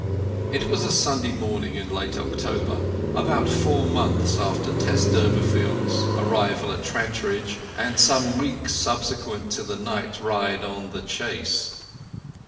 It was a Sunday morning in late October, about four months after Tess Durbeyfield's arrival at Trantridge, and some few weeks subsequent to the night ride in The Chase.